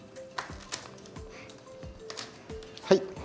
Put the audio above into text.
はい。